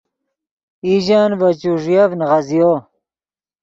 ایژن ڤے چوݱیف نیغزیو